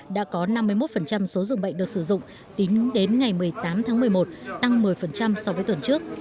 đã có năm mươi một số dường bệnh được sử dụng tính đến ngày một mươi tám tháng một mươi một tăng một mươi so với tuần trước